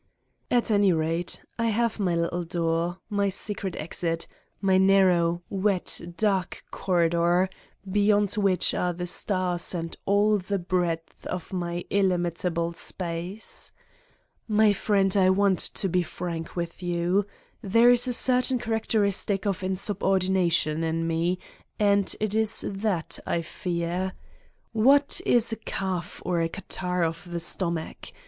At any rate, I have my little door, my secret exit, my narrow, wet, dark corridor, beyond which are the stars and all the breadth of my illimitable space ! My friend, I want to be frank with you : there is a certain characteristic of insubordina tion in me, and it is that I fear. What is a cough or a catarrh of the stomach?